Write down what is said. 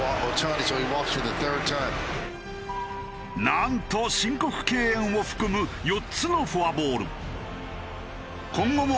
なんと申告敬遠を含む４つのフォアボール。